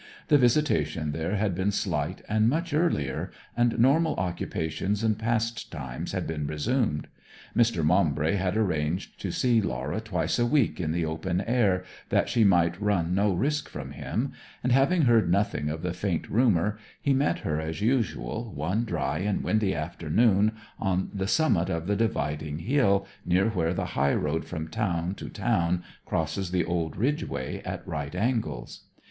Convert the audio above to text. The visitation there had been slight and much earlier, and normal occupations and pastimes had been resumed. Mr. Maumbry had arranged to see Laura twice a week in the open air, that she might run no risk from him; and, having heard nothing of the faint rumour, he met her as usual one dry and windy afternoon on the summit of the dividing hill, near where the high road from town to town crosses the old Ridge way at right angles.